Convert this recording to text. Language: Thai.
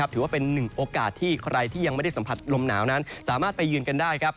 ถือว่าเป็นหนึ่งโอกาสที่ใครที่ยังไม่ได้สัมผัสลมหนาวนั้นสามารถไปยืนกันได้